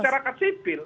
kalau masyarakat sipil